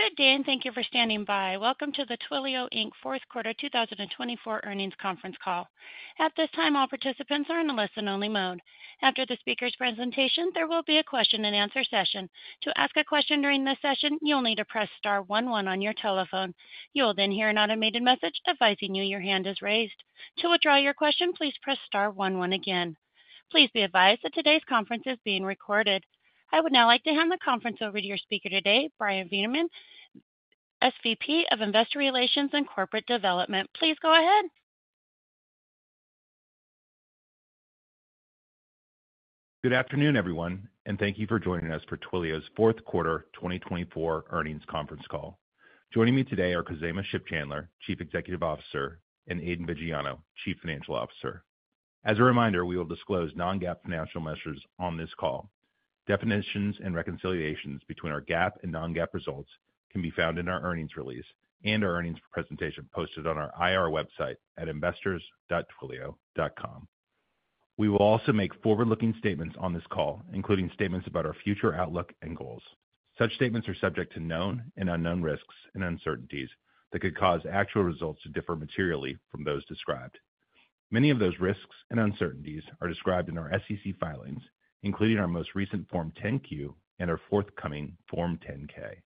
Good day, and thank you for standing by. Welcome to the Twilio Inc. Fourth Quarter 2024 Earnings Conference Call. At this time, all participants are in a listen-only mode. After the speaker's presentation, there will be a question-and-answer session. To ask a question during this session, you'll need to press star 11 on your telephone. You will then hear an automated message advising you your hand is raised. To withdraw your question, please press star 11 again. Please be advised that today's conference is being recorded. I would now like to hand the conference over to your speaker today, Bryan Vaniman, SVP of Investor Relations and Corporate Development. Please go ahead. Good afternoon, everyone, and thank you for joining us for Twilio's Fourth Quarter 2024 Earnings Conference Call. Joining me today are Khozema Shipchandler, Chief Executive Officer, and Aidan Viggiano, Chief Financial Officer. As a reminder, we will disclose non-GAAP financial measures on this call. Definitions and reconciliations between our GAAP and non-GAAP results can be found in our earnings release and our earnings presentation posted on our IR website at investors.twilio.com. We will also make forward-looking statements on this call, including statements about our future outlook and goals. Such statements are subject to known and unknown risks and uncertainties that could cause actual results to differ materially from those described. Many of those risks and uncertainties are described in our SEC filings, including our most recent Form 10-Q and our forthcoming Form 10-K.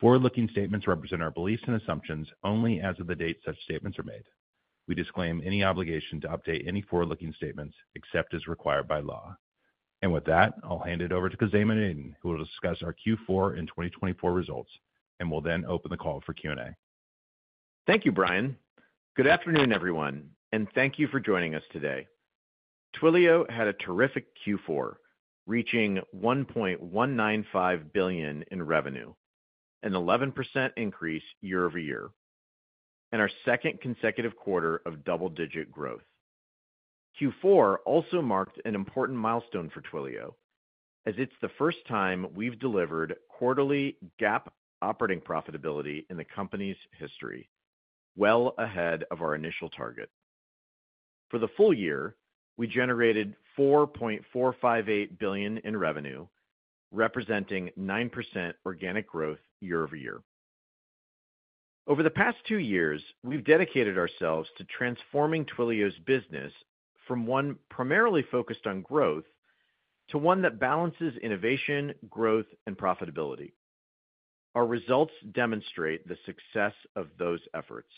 Forward-looking statements represent our beliefs and assumptions only as of the date such statements are made. We disclaim any obligation to update any forward-looking statements except as required by law. With that, I'll hand it over to Khozema and Aidan, who will discuss our Q4 and 2024 results, and we'll then open the call for Q&A. Thank you, Bryan. Good afternoon, everyone, and thank you for joining us today. Twilio had a terrific Q4, reaching $1.195 billion in revenue, an 11% increase year over year, and our second consecutive quarter of double-digit growth. Q4 also marked an important milestone for Twilio, as it's the first time we've delivered quarterly GAAP operating profitability in the company's history, well ahead of our initial target. For the full year, we generated $4.458 billion in revenue, representing 9% organic growth year over year. Over the past two years, we've dedicated ourselves to transforming Twilio's business from one primarily focused on growth to one that balances innovation, growth, and profitability. Our results demonstrate the success of those efforts.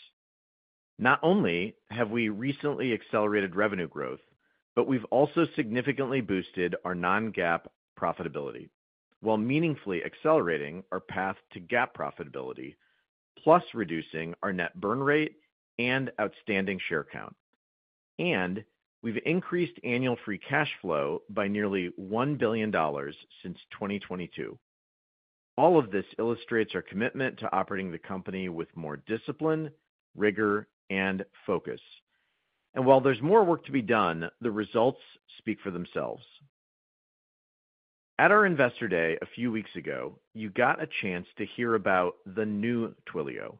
Not only have we recently accelerated revenue growth, but we've also significantly boosted our non-GAAP profitability while meaningfully accelerating our path to GAAP profitability, plus reducing our net burn rate and outstanding share count. And we've increased annual free cash flow by nearly $1 billion since 2022. All of this illustrates our commitment to operating the company with more discipline, rigor, and focus. And while there's more work to be done, the results speak for themselves. At our Investor Day a few weeks ago, you got a chance to hear about the new Twilio,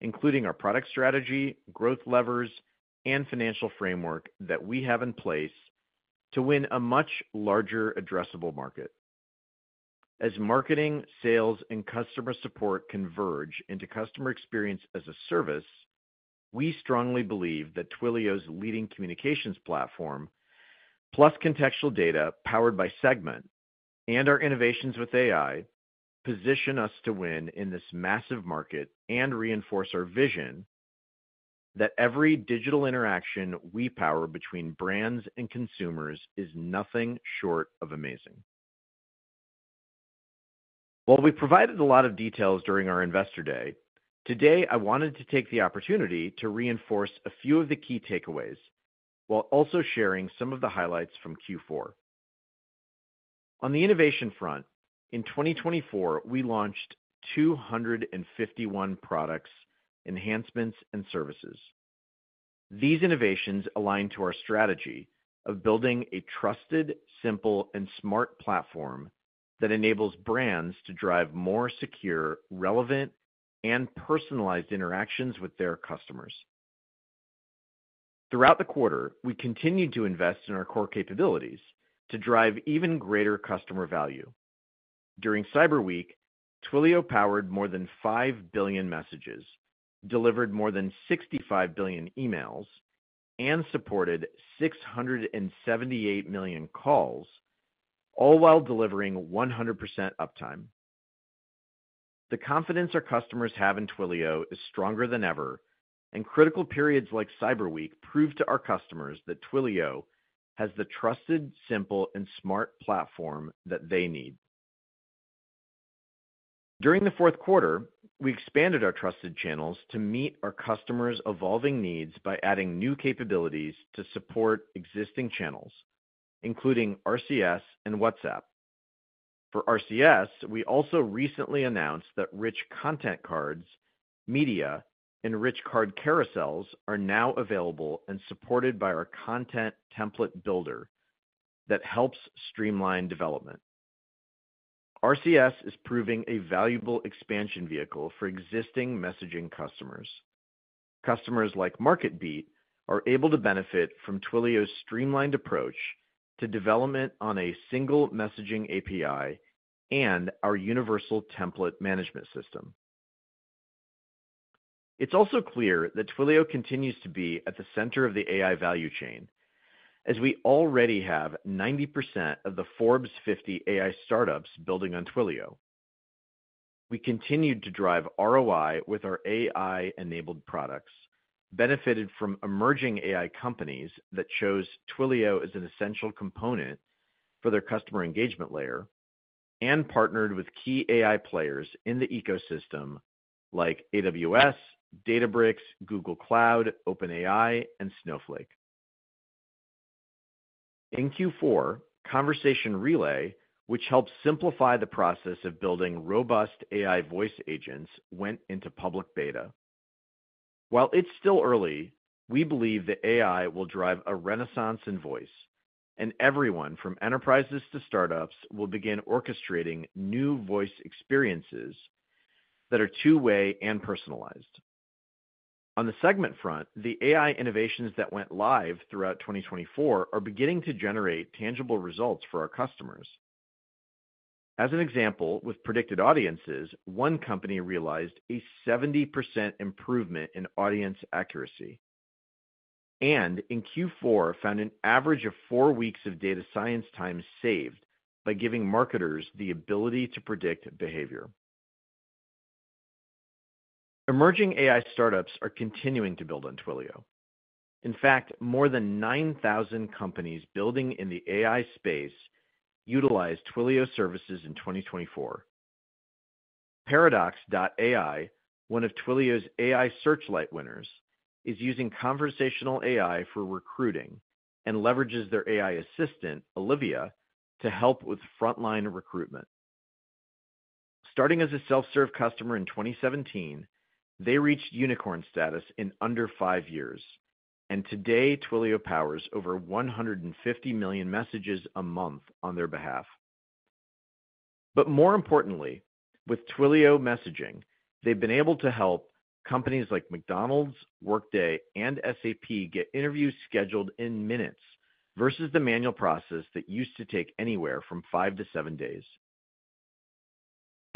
including our product strategy, growth levers, and financial framework that we have in place to win a much larger addressable market. As marketing, sales, and customer support converge into customer experience as a service, we strongly believe that Twilio's leading communications platform, plus contextual data powered by Segment and our innovations with AI, position us to win in this massive market and reinforce our vision that every digital interaction we power between brands and consumers is nothing short of amazing. While we provided a lot of details during our Investor Day, today I wanted to take the opportunity to reinforce a few of the key takeaways while also sharing some of the highlights from Q4. On the innovation front, in 2024, we launched 251 products, enhancements, and services. These innovations align to our strategy of building a trusted, simple, and smart platform that enables brands to drive more secure, relevant, and personalized interactions with their customers. Throughout the quarter, we continued to invest in our core capabilities to drive even greater customer value. During Cyber Week, Twilio powered more than 5 billion messages, delivered more than 65 billion emails, and supported 678 million calls, all while delivering 100% uptime. The confidence our customers have in Twilio is stronger than ever, and critical periods like Cyber Week proved to our customers that Twilio has the trusted, simple, and smart platform that they need. During the fourth quarter, we expanded our trusted channels to meet our customers' evolving needs by adding new capabilities to support existing channels, including RCS and WhatsApp. For RCS, we also recently announced that rich content cards, media, and rich card carousels are now available and supported by our Content Template Builder that helps streamline development. RCS is proving a valuable expansion vehicle for existing messaging customers. Customers like MarketBeat are able to benefit from Twilio's streamlined approach to development on a single messaging API and our universal template management system. It's also clear that Twilio continues to be at the center of the AI value chain, as we already have 90% of the Forbes 50 AI startups building on Twilio. We continued to drive ROI with our AI-enabled products, benefited from emerging AI companies that chose Twilio as an essential component for their customer engagement layer, and partnered with key AI players in the ecosystem like AWS, Databricks, Google Cloud, OpenAI, and Snowflake. In Q4, Conversation Relay, which helped simplify the process of building robust AI voice agents, went into public beta. While it's still early, we believe that AI will drive a renaissance in voice, and everyone from enterprises to startups will begin orchestrating new voice experiences that are two-way and personalized. On the Segment front, the AI innovations that went live throughout 2024 are beginning to generate tangible results for our customers. As an example, with Predicted Audiences, one company realized a 70% improvement in audience accuracy, and in Q4 found an average of four weeks of data science time saved by giving marketers the ability to predict behavior. Emerging AI startups are continuing to build on Twilio. In fact, more than 9,000 companies building in the AI space utilized Twilio services in 2024. Paradox.ai, one of Twilio's AI Spotlight winners, is using conversational AI for recruiting and leverages their AI assistant, Olivia, to help with frontline recruitment. Starting as a self-serve customer in 2017, they reached unicorn status in under five years, and today Twilio powers over 150 million messages a month on their behalf. But more importantly, with Twilio Messaging, they've been able to help companies like McDonald's, Workday, and SAP get interviews scheduled in minutes versus the manual process that used to take anywhere from five to seven days.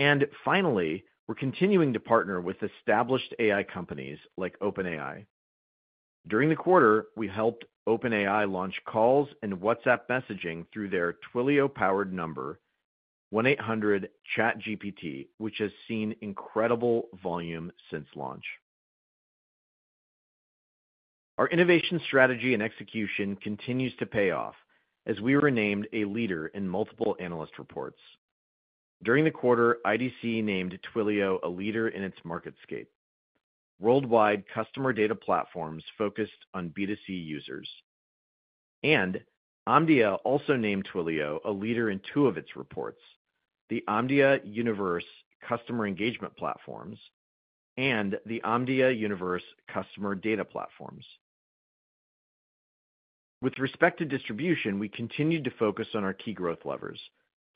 And finally, we're continuing to partner with established AI companies like OpenAI. During the quarter, we helped OpenAI launch calls and WhatsApp messaging through their Twilio-powered number, 1-800-CHAT-GPT, which has seen incredible volume since launch. Our innovation strategy and execution continues to pay off as we were named a leader in multiple analyst reports. During the quarter, IDC named Twilio a leader in its MarketScape. Worldwide, customer data platforms focused on B2C users. And Omdia also named Twilio a leader in two of its reports, the Omdia Universe Customer Engagement Platforms and the Omdia Universe Customer Data Platforms. With respect to distribution, we continued to focus on our key growth levers: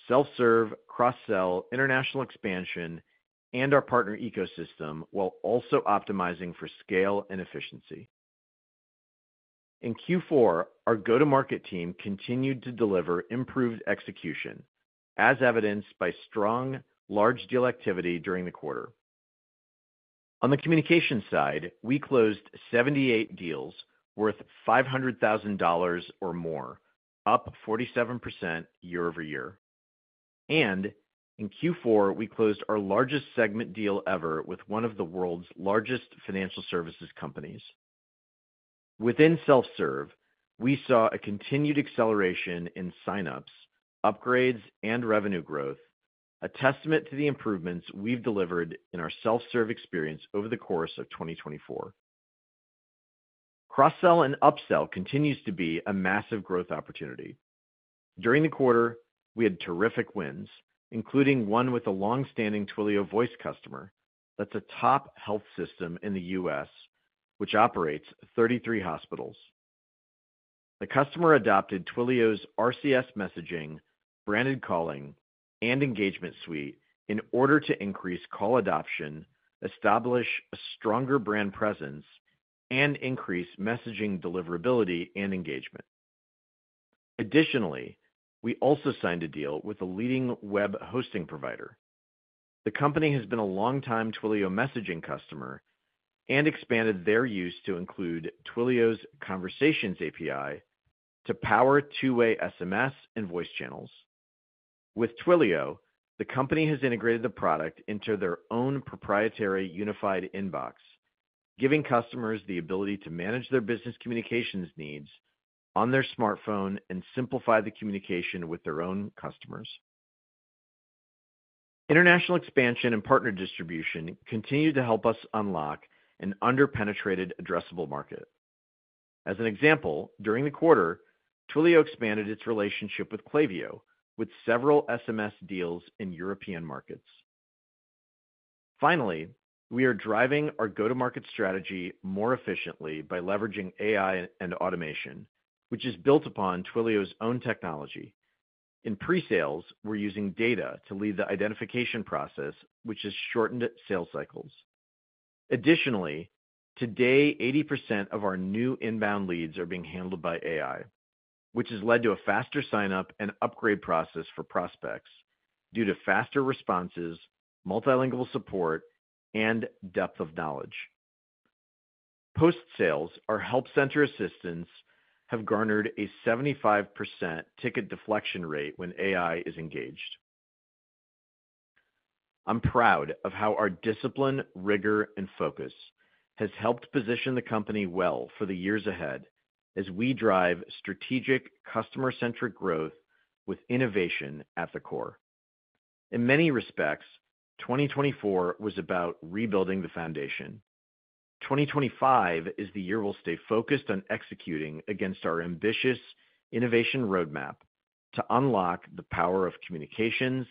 self-serve, cross-sell, international expansion, and our partner ecosystem, while also optimizing for scale and efficiency. In Q4, our go-to-market team continued to deliver improved execution, as evidenced by strong large-deal activity during the quarter. On the communication side, we closed 78 deals worth $500,000 or more, up 47% year over year. And in Q4, we closed our largest Segment deal ever with one of the world's largest financial services companies. Within self-serve, we saw a continued acceleration in sign-ups, upgrades, and revenue growth, a testament to the improvements we've delivered in our self-serve experience over the course of 2024. Cross-sell and upsell continues to be a massive growth opportunity. During the quarter, we had terrific wins, including one with a long-standing Twilio voice customer that's a top health system in the U.S., which operates 33 hospitals. The customer adopted Twilio's RCS messaging, Branded Calling, and engagement suite in order to increase call adoption, establish a stronger brand presence, and increase messaging deliverability and engagement. Additionally, we also signed a deal with a leading web hosting provider. The company has been a long-time Twilio messaging customer and expanded their use to include Twilio's Conversations API to power two-way SMS and voice channels. With Twilio, the company has integrated the product into their own proprietary unified inbox, giving customers the ability to manage their business communications needs on their smartphone and simplify the communication with their own customers. International expansion and partner distribution continue to help us unlock an under-penetrated addressable market. As an example, during the quarter, Twilio expanded its relationship with Klaviyo with several SMS deals in European markets. Finally, we are driving our go-to-market strategy more efficiently by leveraging AI and automation, which is built upon Twilio's own technology. In pre-sales, we're using data to lead the identification process, which has shortened sales cycles. Additionally, today, 80% of our new inbound leads are being handled by AI, which has led to a faster sign-up and upgrade process for prospects due to faster responses, multilingual support, and depth of knowledge. Post-sales, our help center assistants have garnered a 75% ticket deflection rate when AI is engaged. I'm proud of how our discipline, rigor, and focus have helped position the company well for the years ahead as we drive strategic, customer-centric growth with innovation at the core. In many respects, 2024 was about rebuilding the foundation. 2025 is the year we'll stay focused on executing against our ambitious innovation roadmap to unlock the power of communications,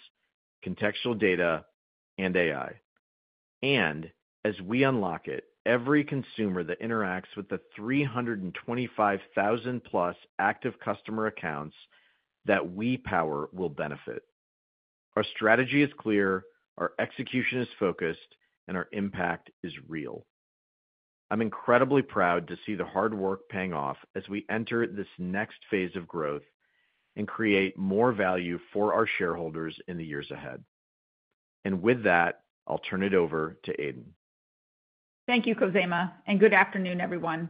contextual data, and AI. And as we unlock it, every consumer that interacts with the 325,000-plus active customer accounts that we power will benefit. Our strategy is clear, our execution is focused, and our impact is real. I'm incredibly proud to see the hard work paying off as we enter this next phase of growth and create more value for our shareholders in the years ahead. And with that, I'll turn it over to Aidan. Thank you, Khozema, and good afternoon, everyone.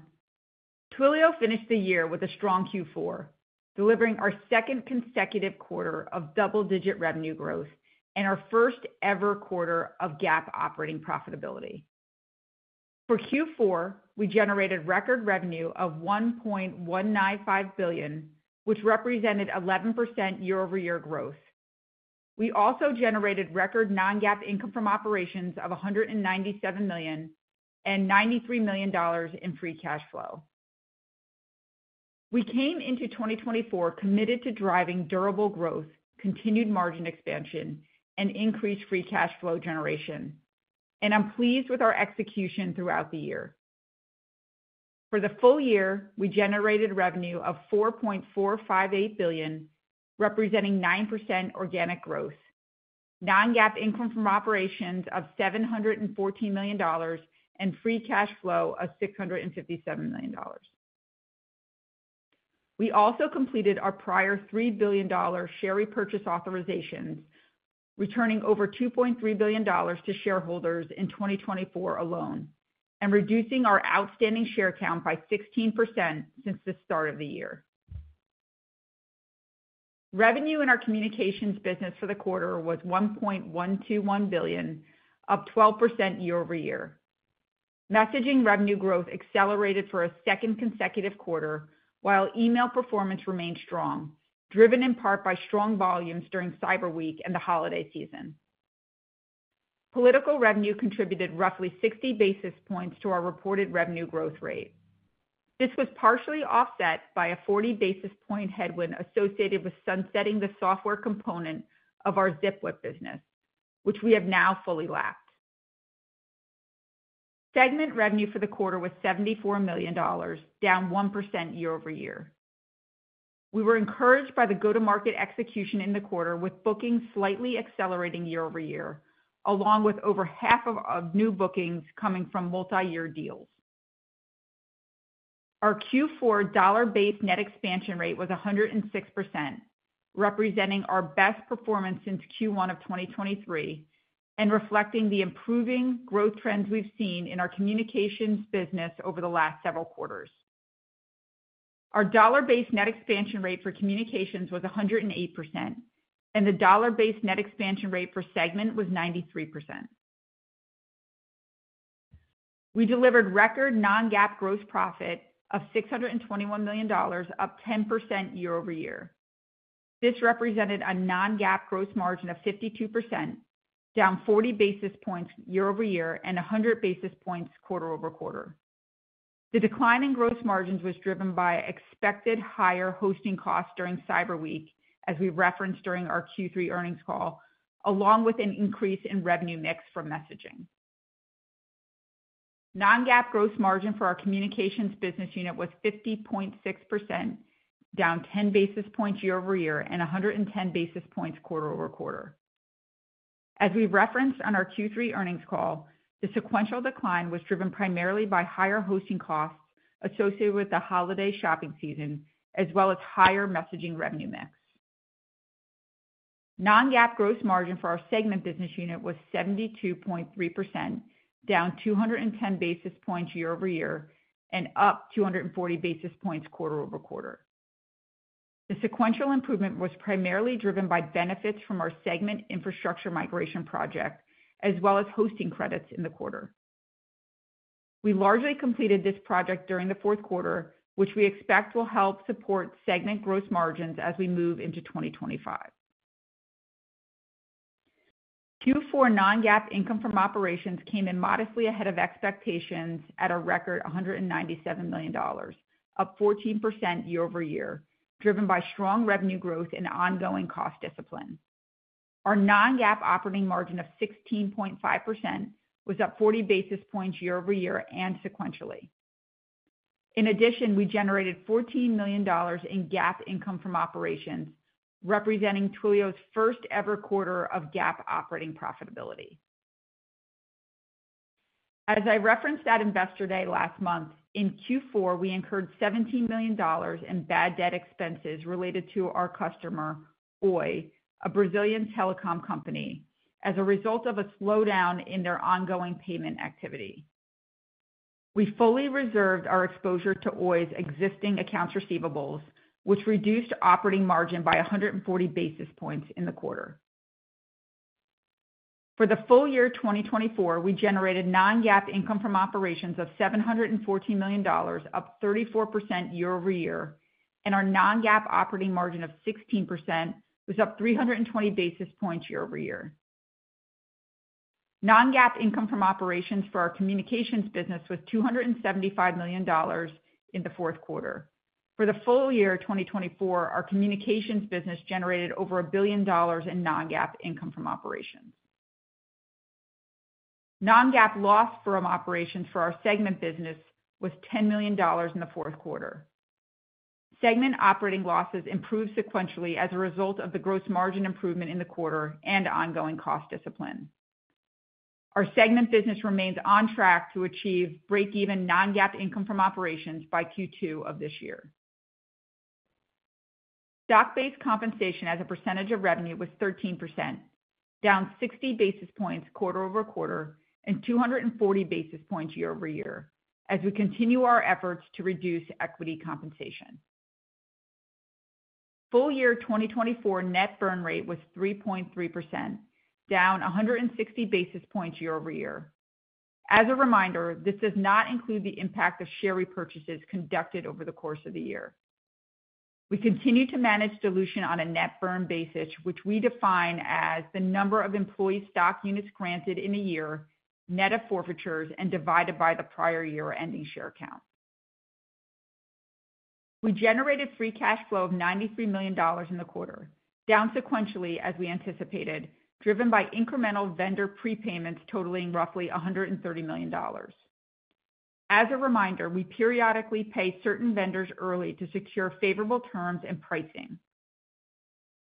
Twilio finished the year with a strong Q4, delivering our second consecutive quarter of double-digit revenue growth and our first-ever quarter of GAAP operating profitability. For Q4, we generated record revenue of $1.195 billion, which represented 11% year-over-year growth. We also generated record non-GAAP income from operations of $197 million and $93 million in free cash flow. We came into 2024 committed to driving durable growth, continued margin expansion, and increased free cash flow generation, and I'm pleased with our execution throughout the year. For the full year, we generated revenue of $4.458 billion, representing 9% organic growth, non-GAAP income from operations of $714 million, and free cash flow of $657 million. We also completed our prior $3 billion share repurchase authorizations, returning over $2.3 billion to shareholders in 2024 alone and reducing our outstanding share count by 16% since the start of the year. Revenue in our communications business for the quarter was $1.121 billion, up 12% year-over-year. Messaging revenue growth accelerated for a second consecutive quarter, while email performance remained strong, driven in part by strong volumes during Cyber Week and the holiday season. Political revenue contributed roughly 60 basis points to our reported revenue growth rate. This was partially offset by a 40 basis points headwind associated with sunsetting the software component of our Zipwhip business, which we have now fully lapped. Segment revenue for the quarter was $74 million, down 1% year-over-year. We were encouraged by the go-to-market execution in the quarter, with bookings slightly accelerating year-over-year, along with over half of new bookings coming from multi-year deals. Our Q4 dollar-based net expansion rate was 106%, representing our best performance since Q1 of 2023 and reflecting the improving growth trends we've seen in our communications business over the last several quarters. Our dollar-based net expansion rate for communications was 108%, and the dollar-based net expansion rate for segment was 93%. We delivered record non-GAAP gross profit of $621 million, up 10% year-over-year. This represented a non-GAAP gross margin of 52%, down 40 basis points year-over-year and 100 basis points quarter-over-quarter. The decline in gross margins was driven by expected higher hosting costs during Cyber Week, as we referenced during our Q3 earnings call, along with an increase in revenue mix from messaging. Non-GAAP gross margin for our communications business unit was 50.6%, down 10 basis points year-over-year and 110 basis points quarter-over-quarter. As we referenced on our Q3 earnings call, the sequential decline was driven primarily by higher hosting costs associated with the holiday shopping season, as well as higher messaging revenue mix. Non-GAAP gross margin for our Segment business unit was 72.3%, down 210 basis points year-over-year and up 240 basis points quarter-over-quarter. The sequential improvement was primarily driven by benefits from our Segment infrastructure migration project, as well as hosting credits in the quarter. We largely completed this project during the fourth quarter, which we expect will help support Segment gross margins as we move into 2025. Q4 non-GAAP income from operations came in modestly ahead of expectations at a record $197 million, up 14% year-over-year, driven by strong revenue growth and ongoing cost discipline. Our non-GAAP operating margin of 16.5% was up 40 basis points year-over-year and sequentially. In addition, we generated $14 million in GAAP income from operations, representing Twilio's first-ever quarter of GAAP operating profitability. As I referenced at Investor Day last month, in Q4, we incurred $17 million in bad debt expenses related to our customer, Oi, a Brazilian telecom company, as a result of a slowdown in their ongoing payment activity. We fully reserved our exposure to Oi's existing accounts receivable, which reduced operating margin by 140 basis points in the quarter. For the full year 2024, we generated non-GAAP income from operations of $714 million, up 34% year-over-year, and our non-GAAP operating margin of 16% was up 320 basis points year-over-year. Non-GAAP income from operations for our communications business was $275 million in the fourth quarter. For the full year 2024, our communications business generated over a billion dollars in non-GAAP income from operations. Non-GAAP loss from operations for our Segment business was $10 million in the fourth quarter. Segment operating losses improved sequentially as a result of the gross margin improvement in the quarter and ongoing cost discipline. Our Segment business remains on track to achieve break-even non-GAAP income from operations by Q2 of this year. Stock-based compensation as a percentage of revenue was 13%, down 60 basis points quarter-over-quarter and 240 basis points year-over-year as we continue our efforts to reduce equity compensation. Full year 2024 net burn rate was 3.3%, down 160 basis points year-over-year. As a reminder, this does not include the impact of share repurchases conducted over the course of the year. We continue to manage dilution on a net burn basis, which we define as the number of employee stock units granted in a year, net of forfeitures, and divided by the prior year ending share count. We generated free cash flow of $93 million in the quarter, down sequentially as we anticipated, driven by incremental vendor prepayments totaling roughly $130 million. As a reminder, we periodically pay certain vendors early to secure favorable terms and pricing.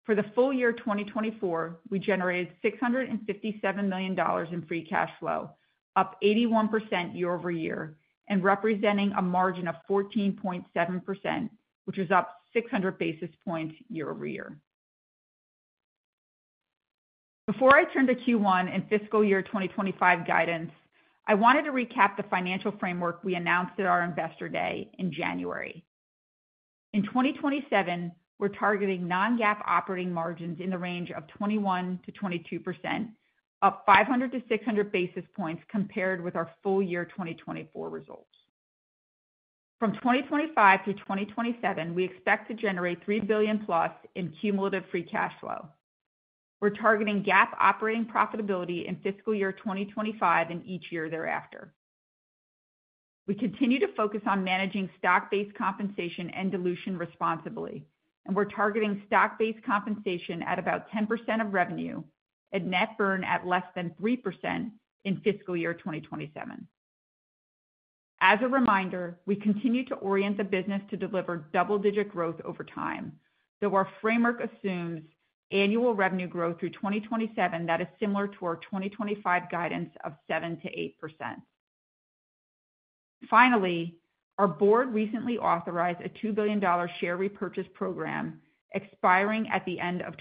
For the full year 2024, we generated $657 million in free cash flow, up 81% year-over-year, and representing a margin of 14.7%, which is up 600 basis points year-over-year. Before I turn to Q1 and fiscal year 2025 guidance, I wanted to recap the financial framework we announced at our Investor Day in January. In 2027, we're targeting non-GAAP operating margins in the range of 21% to 22%, up 500-600 basis points compared with our full year 2024 results. From 2025 through 2027, we expect to generate $3 billion plus in cumulative free cash flow. We're targeting GAAP operating profitability in fiscal year 2025 and each year thereafter. We continue to focus on managing stock-based compensation and dilution responsibly, and we're targeting stock-based compensation at about 10% of revenue and net burn at less than 3% in fiscal year 2027. As a reminder, we continue to orient the business to deliver double-digit growth over time, though our framework assumes annual revenue growth through 2027 that is similar to our 2025 guidance of 7% to 8%. Finally, our board recently authorized a $2 billion share repurchase program expiring at the end of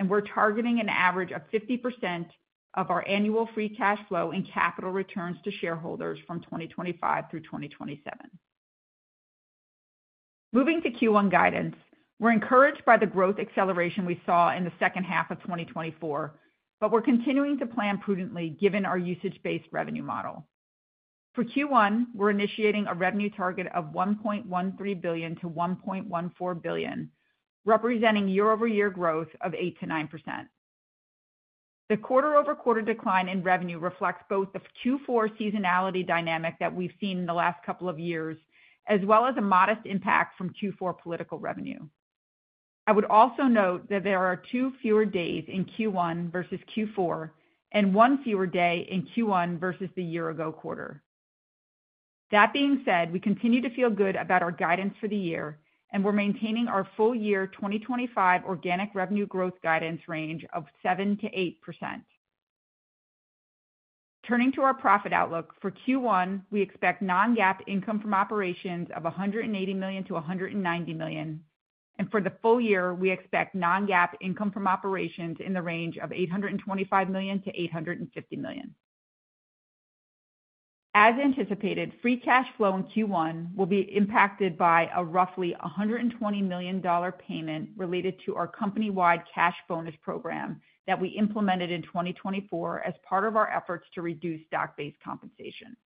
2027, and we're targeting an average of 50% of our annual free cash flow and capital returns to shareholders from 2025 through 2027. Moving to Q1 guidance, we're encouraged by the growth acceleration we saw in the second half of 2024, but we're continuing to plan prudently given our usage-based revenue model. For Q1, we're initiating a revenue target of $1.13 billion-$1.14 billion, representing year-over-year growth of 8% to 9%. The quarter-over-quarter decline in revenue reflects both the Q4 seasonality dynamic that we've seen in the last couple of years, as well as a modest impact from Q4 political revenue. I would also note that there are two fewer days in Q1 versus Q4 and one fewer day in Q1 versus the year-ago quarter. That being said, we continue to feel good about our guidance for the year, and we're maintaining our full year 2025 organic revenue growth guidance range of 7% to 8%. Turning to our profit outlook, for Q1, we expect non-GAAP income from operations of $180 million-$190 million, and for the full year, we expect non-GAAP income from operations in the range of $825 million-$850 million. As anticipated, free cash flow in Q1 will be impacted by a roughly $120 million payment related to our company-wide cash bonus program that we implemented in 2024 as part of our efforts to reduce stock-based compensation.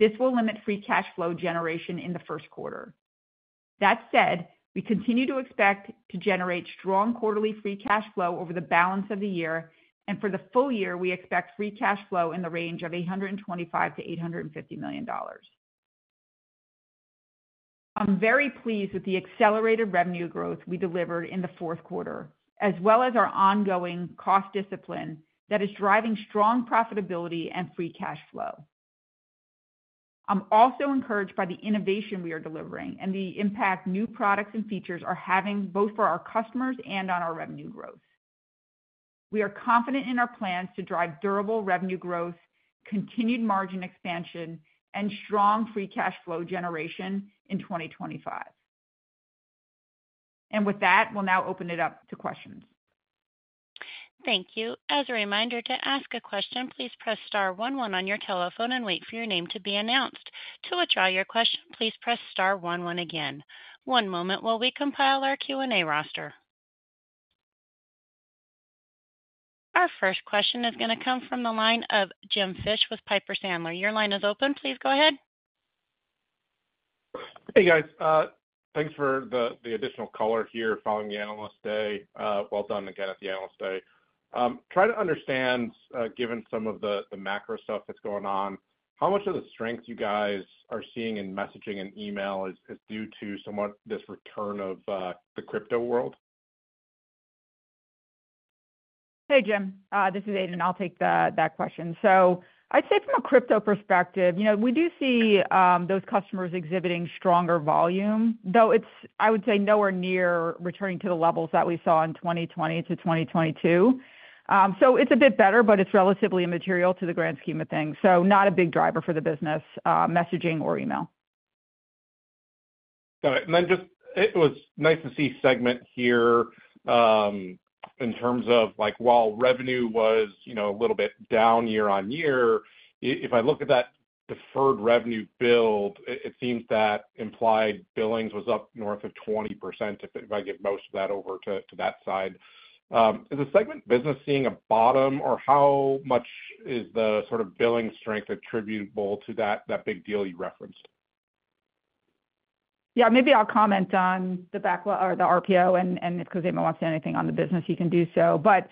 This will limit free cash flow generation in the first quarter. That said, we continue to expect to generate strong quarterly free cash flow over the balance of the year, and for the full year, we expect free cash flow in the range of $125 million-$850 million. I'm very pleased with the accelerated revenue growth we delivered in the fourth quarter, as well as our ongoing cost discipline that is driving strong profitability and free cash flow. I'm also encouraged by the innovation we are delivering and the impact new products and features are having both for our customers and on our revenue growth. We are confident in our plans to drive durable revenue growth, continued margin expansion, and strong free cash flow generation in 2025. And with that, we'll now open it up to questions. Thank you. As a reminder, to ask a question, please press star 11 on your telephone and wait for your name to be announced. To withdraw your question, please press star 11 again. One moment while we compile our Q&A roster. Our first question is going to come from the line of Jim Fish with Piper Sandler. Your line is open. Please go ahead. Hey, guys. Thanks for the additional color here following the Analyst Day. Well done again at the Analyst Day. Try to understand, given some of the macro stuff that's going on, how much of the strength you guys are seeing in messaging and email is due to somewhat this return of the crypto world? Hey, Jim. This is Aidan. I'll take that question. So I'd say from a crypto perspective, we do see those customers exhibiting stronger volume, though it's, I would say, nowhere near returning to the levels that we saw in 2020 to 2022. So it's a bit better, but it's relatively immaterial to the grand scheme of things. So not a big driver for the business, messaging or email. Got it. And then just it was nice to see Segment here in terms of while revenue was a little bit down year on year, if I look at that deferred revenue build, it seems that implied billings was up north of 20% if I give most of that over to that side. Is the Segment business seeing a bottom, or how much is the sort of billing strength attributable to that big deal you referenced? Yeah, maybe I'll comment on the RPO, and if Khozema wants to say anything on the business, he can do so. But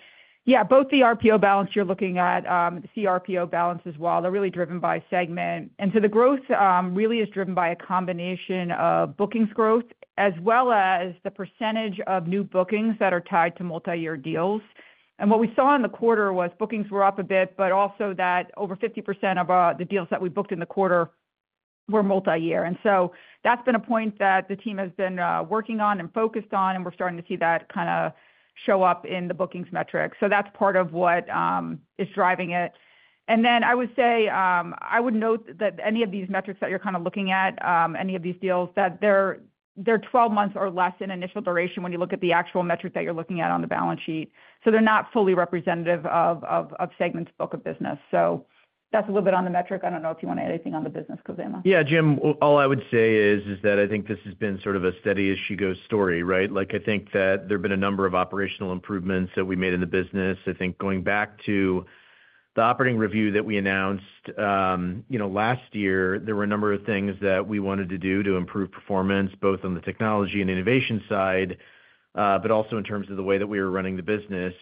yeah, both the RPO balance you're looking at, the CRPO balance as well, they're really driven by Segment. And so the growth really is driven by a combination of bookings growth as well as the percentage of new bookings that are tied to multi-year deals. And what we saw in the quarter was bookings were up a bit, but also that over 50% of the deals that we booked in the quarter were multi-year. And so that's been a point that the team has been working on and focused on, and we're starting to see that kind of show up in the bookings metrics. So that's part of what is driving it. And then I would say I would note that any of these metrics that you're kind of looking at, any of these deals, that they're 12 months or less in initial duration when you look at the actual metric that you're looking at on the balance sheet. So they're not fully representative of Segment's book of business. So that's a little bit on the metric. I don't know if you want to add anything on the business, Khozema. Yeah, Jim, all I would say is that I think this has been sort of a steady-as-she-goes story, right? I think that there have been a number of operational improvements that we made in the business. I think going back to the operating review that we announced last year, there were a number of things that we wanted to do to improve performance both on the technology and innovation side, but also in terms of the way that we were running the business.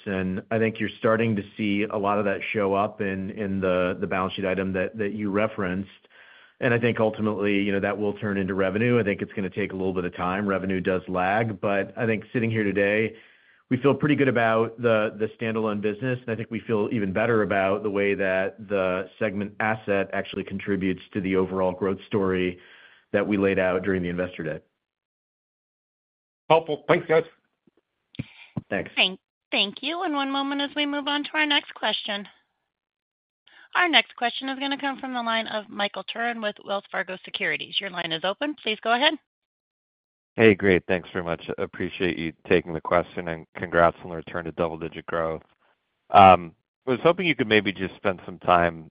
I think you're starting to see a lot of that show up in the balance sheet item that you referenced. I think ultimately that will turn into revenue. I think it's going to take a little bit of time. Revenue does lag. I think sitting here today, we feel pretty good about the standalone business, and I think we feel even better about the way that the Segment asset actually contributes to the overall growth story that we laid out during the Investor Day. Helpful. Thanks, guys. Thanks. Thank you. And one moment as we move on to our next question. Our next question is going to come from the line of Michael Turrin with Wells Fargo Securities. Your line is open. Please go ahead. Hey, great. Thanks very much. Appreciate you taking the question and congrats on the return to double-digit growth. I was hoping you could maybe just spend some time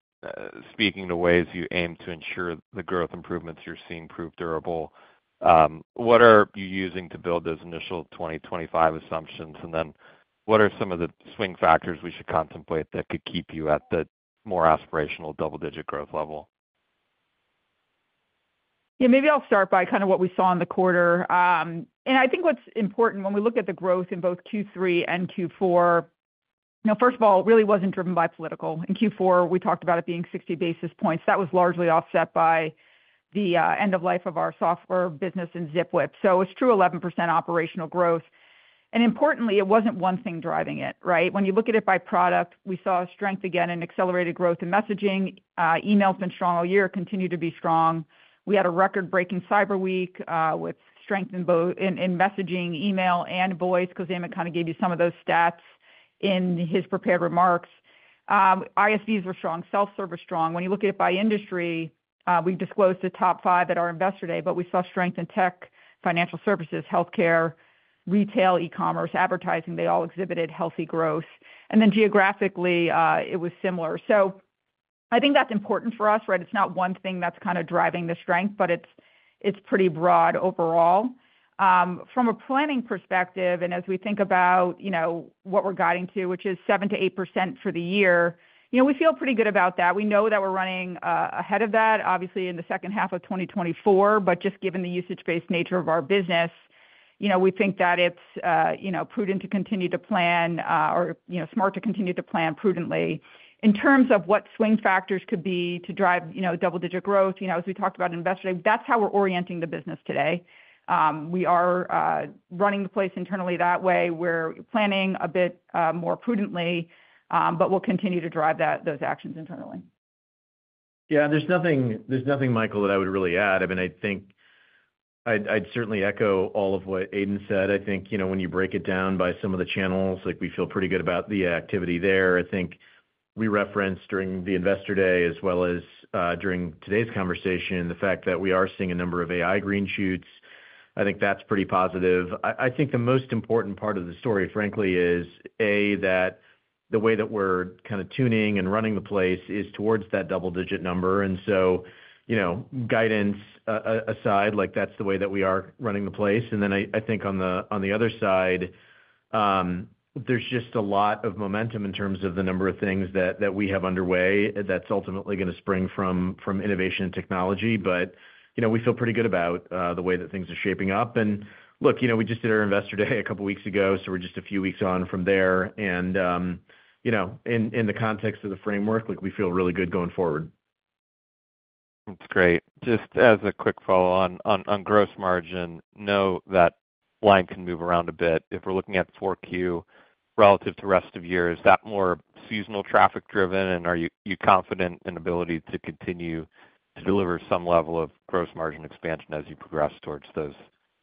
speaking to ways you aim to ensure the growth improvements you're seeing prove durable. What are you using to build those initial 2025 assumptions, and then what are some of the swing factors we should contemplate that could keep you at the more aspirational double-digit growth level? Yeah, maybe I'll start by kind of what we saw in the quarter. And I think what's important when we look at the growth in both Q3 and Q4, first of all, it really wasn't driven by political. In Q4, we talked about it being 60 basis points. That was largely offset by the end of life of our software business and Zipwhip. So it was true 11% operational growth. And importantly, it wasn't one thing driving it, right? When you look at it by product, we saw strength again in accelerated growth in messaging. Email has been strong all year, continued to be strong. We had a record-breaking Cyber Week with strength in messaging, email, and voice. Khozema kind of gave you some of those stats in his prepared remarks. ISVs were strong. Self-Serve was strong. When you look at it by industry, we disclosed the top five at our Investor Day, but we saw strength in tech, financial services, healthcare, retail, e-commerce, advertising. They all exhibited healthy growth. And then geographically, it was similar. So I think that's important for us, right? It's not one thing that's kind of driving the strength, but it's pretty broad overall. From a planning perspective, and as we think about what we're guiding to, which is 7% to 8% for the year, we feel pretty good about that. We know that we're running ahead of that, obviously, in the second half of 2024, but just given the usage-based nature of our business, we think that it's prudent to continue to plan or smart to continue to plan prudently in terms of what swing factors could be to drive double-digit growth. As we talked about in Investor Day, that's how we're orienting the business today. We are running the place internally that way. We're planning a bit more prudently, but we'll continue to drive those actions internally. Yeah, there's nothing, Michael, that I would really add. I mean, I think I'd certainly echo all of what Aidan said. I think when you break it down by some of the channels, we feel pretty good about the activity there. I think we referenced during the Investor Day as well as during today's conversation the fact that we are seeing a number of AI green shoots. I think that's pretty positive. I think the most important part of the story, frankly, is, A, that the way that we're kind of tuning and running the place is towards that double-digit number. And so guidance aside, that's the way that we are running the place. And then I think on the other side, there's just a lot of momentum in terms of the number of things that we have underway that's ultimately going to spring from innovation and technology. But we feel pretty good about the way that things are shaping up. And look, we just did our Investor Day a couple of weeks ago, so we're just a few weeks on from there. And in the context of the framework, we feel really good going forward. That's great. Just as a quick follow-up on gross margin, know that line can move around a bit. If we're looking at 4Q relative to the rest of the year, is that more seasonal traffic-driven, and are you confident in the ability to continue to deliver some level of gross margin expansion as you progress towards those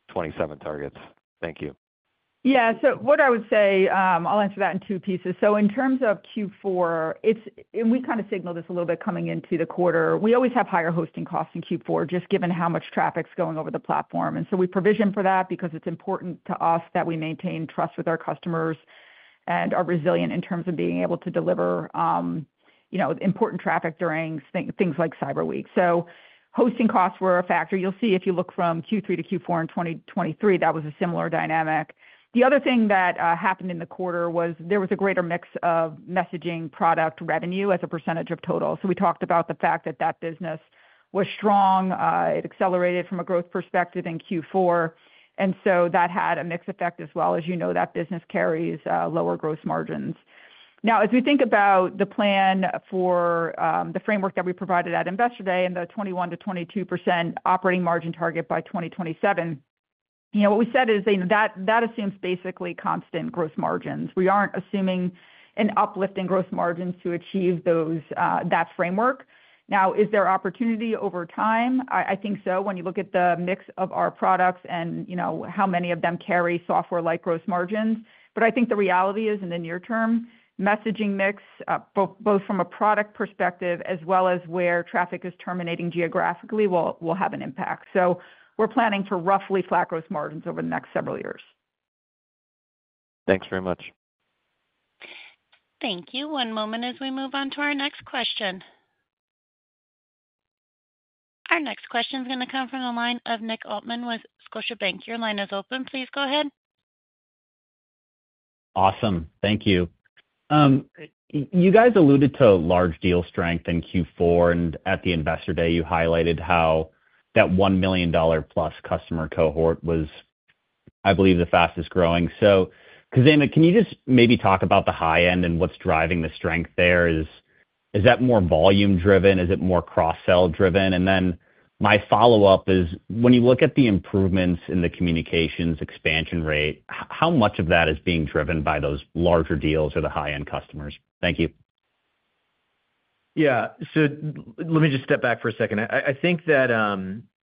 27 targets? Thank you. Yeah. So what I would say, I'll answer that in two pieces. So in terms of Q4, and we kind of signaled this a little bit coming into the quarter, we always have higher hosting costs in Q4 just given how much traffic's going over the platform. And so we provision for that because it's important to us that we maintain trust with our customers and are resilient in terms of being able to deliver important traffic during things like Cyber Week. So hosting costs were a factor. You'll see if you look from Q3 to Q4 in 2023, that was a similar dynamic. The other thing that happened in the quarter was there was a greater mix of messaging product revenue as a percentage of total. So we talked about the fact that that business was strong. It accelerated from a growth perspective in Q4. And so that had a mixed effect as well. As you know, that business carries lower gross margins. Now, as we think about the plan for the framework that we provided at Investor Day and the 21% to 22% operating margin target by 2027, what we said is that assumes basically constant gross margins. We aren't assuming an uplift in gross margins to achieve that framework. Now, is there opportunity over time? I think so when you look at the mix of our products and how many of them carry software-like gross margins. But I think the reality is in the near term, messaging mix, both from a product perspective as well as where traffic is terminating geographically, will have an impact. So we're planning for roughly flat gross margins over the next several years. Thanks very much. Thank you. One moment as we move on to our next question. Our next question is going to come from the line of Nick Altman with Scotiabank. Your line is open. Please go ahead. Awesome. Thank you. You guys alluded to large deal strength in Q4, and at the Investor Day, you highlighted how that $1 million-plus customer cohort was, I believe, the fastest growing. So Khozema, can you just maybe talk about the high end and what's driving the strength there? Is that more volume-driven? Is it more cross-sell-driven? And then my follow-up is, when you look at the improvements in the communications expansion rate, how much of that is being driven by those larger deals or the high-end customers? Thank you. Yeah. So let me just step back for a second. I think that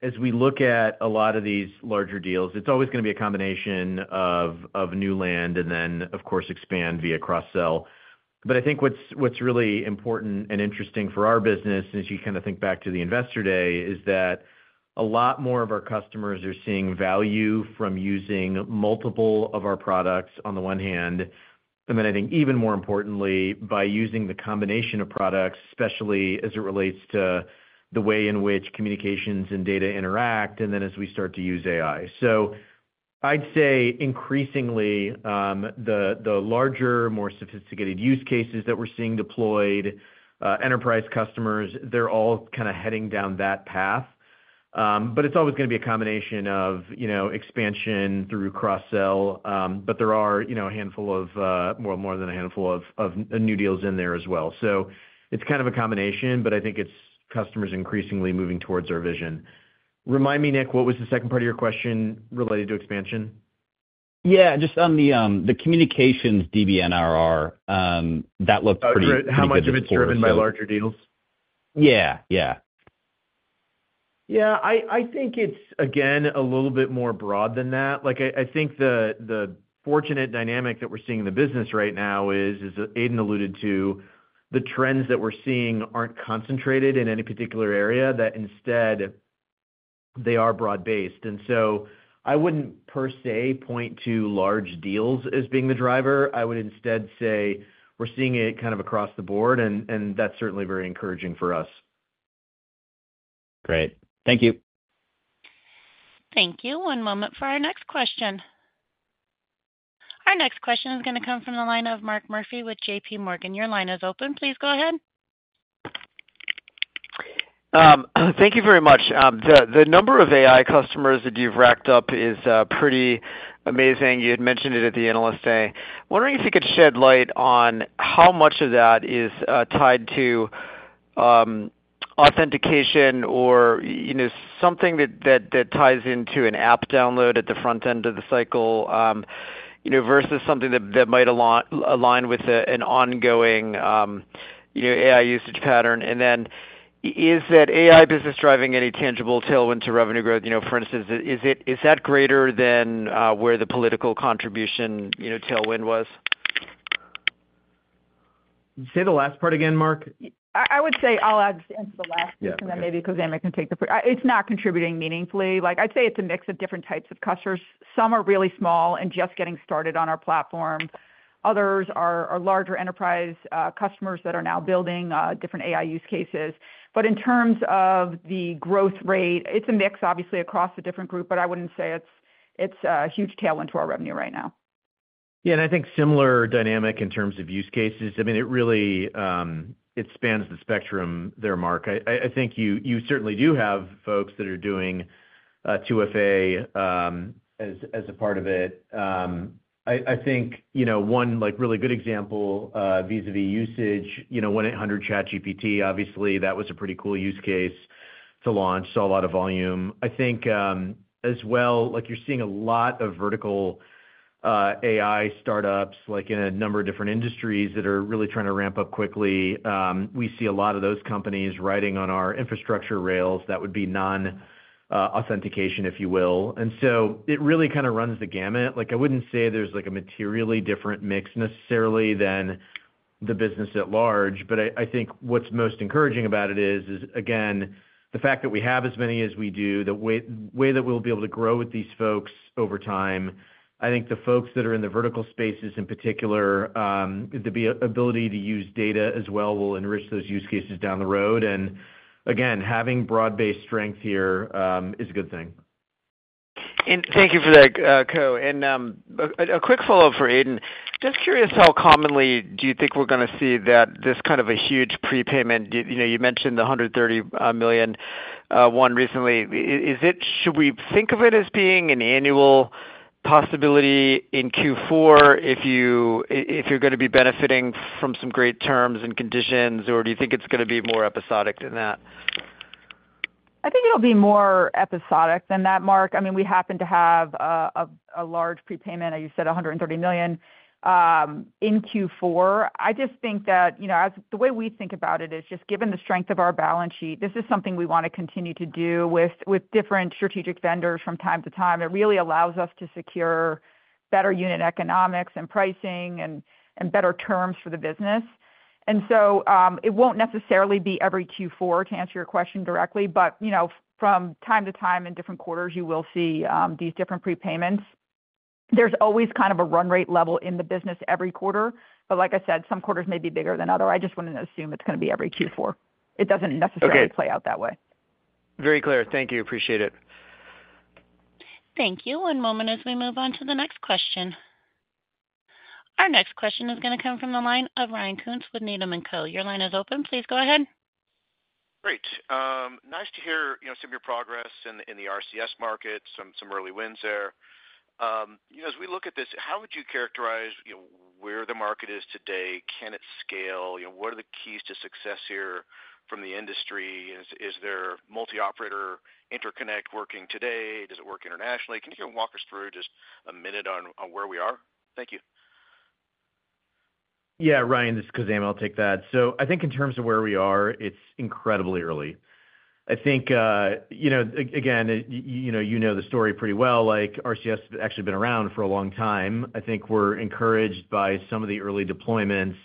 as we look at a lot of these larger deals, it's always going to be a combination of new land and then, of course, expand via cross-sell. But I think what's really important and interesting for our business, as you kind of think back to the Investor Day, is that a lot more of our customers are seeing value from using multiple of our products on the one hand. And then I think even more importantly, by using the combination of products, especially as it relates to the way in which communications and data interact, and then as we start to use AI. So I'd say increasingly, the larger, more sophisticated use cases that we're seeing deployed, enterprise customers, they're all kind of heading down that path. But it's always going to be a combination of expansion through cross-sell. But there are a handful of, well, more than a handful of new deals in there as well. So it's kind of a combination, but I think it's customers increasingly moving towards our vision. Remind me, Nick, what was the second part of your question related to expansion? Yeah. Just on the communications DBNE, that looked pretty broad. How much of it's driven by larger deals? Yeah. Yeah. Yeah. I think it's, again, a little bit more broad than that. I think the fortunate dynamic that we're seeing in the business right now is, as Aidan alluded to, the trends that we're seeing aren't concentrated in any particular area, that instead they are broad-based. And so I wouldn't per se point to large deals as being the driver. I would instead say we're seeing it kind of across the board, and that's certainly very encouraging for us. Great. Thank you. Thank you. One moment for our next question. Our next question is going to come from the line of Mark Murphy with JPMorgan. Your line is open. Please go ahead. Thank you very much. The number of AI customers that you've racked up is pretty amazing. You had mentioned it at the Analyst Day. Wondering if you could shed light on how much of that is tied to authentication or something that ties into an app download at the front end of the cycle versus something that might align with an ongoing AI usage pattern. And then is that AI business driving any tangible tailwind to revenue growth? For instance, is that greater than where the political contribution tailwind was? Say the last part again, Mark. I would say I'll add to the last question that maybe Khozema can take the first. It's not contributing meaningfully. I'd say it's a mix of different types of customers. Some are really small and just getting started on our platform. Others are larger enterprise customers that are now building different AI use cases. But in terms of the growth rate, it's a mix, obviously, across the different group, but I wouldn't say it's a huge tailwind to our revenue right now. Yeah, and I think similar dynamic in terms of use cases. I mean, it really spans the spectrum there, Mark. I think you certainly do have folks that are doing 2FA as a part of it. I think one really good example vis-à-vis usage, 1-800-CHAT-GPT, obviously, that was a pretty cool use case to launch, saw a lot of volume. I think as well, you're seeing a lot of vertical AI startups in a number of different industries that are really trying to ramp up quickly. We see a lot of those companies riding on our infrastructure rails that would be non-authentication, if you will. And so it really kind of runs the gamut. I wouldn't say there's a materially different mix necessarily than the business at large, but I think what's most encouraging about it is, again, the fact that we have as many as we do, the way that we'll be able to grow with these folks over time. I think the folks that are in the vertical spaces in particular, the ability to use data as well will enrich those use cases down the road. And again, having broad-based strength here is a good thing. And thank you for that, Khozema. And a quick follow-up for Aidan. Just curious, how commonly do you think we're going to see this kind of a huge prepayment? You mentioned the $130 million one recently. Should we think of it as being an annual possibility in Q4 if you're going to be benefiting from some great terms and conditions, or do you think it's going to be more episodic than that? I think it'll be more episodic than that, Mark. I mean, we happen to have a large prepayment, as you said, $130 million in Q4. I just think that the way we think about it is just given the strength of our balance sheet, this is something we want to continue to do with different strategic vendors from time to time. It really allows us to secure better unit economics and pricing and better terms for the business. And so it won't necessarily be every Q4, to answer your question directly, but from time to time in different quarters, you will see these different prepayments. There's always kind of a run rate level in the business every quarter. But like I said, some quarters may be bigger than others. I just wouldn't assume it's going to be every Q4. It doesn't necessarily play out that way. Very clear. Thank you. Appreciate it. Thank you. One moment as we move on to the next question. Our next question is going to come from the line of Ryan Koontz with Needham & Co. Your line is open. Please go ahead. Great. Nice to hear some of your progress in the RCS market, some early wins there. As we look at this, how would you characterize where the market is today? Can it scale? What are the keys to success here from the industry? Is there multi-operator interconnect working today? Does it work internationally? Can you walk us through just a minute on where we are? Thank you. Yeah. Ryan, this is Khozema. I'll take that. So I think in terms of where we are, it's incredibly early. I think, again, you know the story pretty well. RCS has actually been around for a long time. I think we're encouraged by some of the early deployments.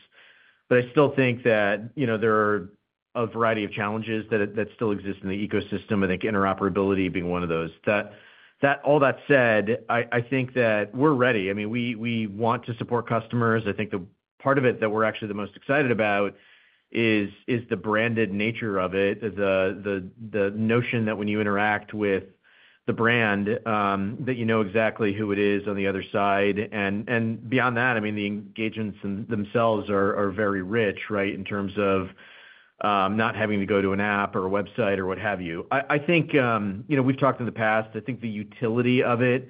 But I still think that there are a variety of challenges that still exist in the ecosystem. I think interoperability being one of those. All that said, I think that we're ready. I mean, we want to support customers. I think the part of it that we're actually the most excited about is the branded nature of it, the notion that when you interact with the brand, that you know exactly who it is on the other side. And beyond that, I mean, the engagements themselves are very rich, right, in terms of not having to go to an app or a website or what have you. I think we've talked in the past. I think the utility of it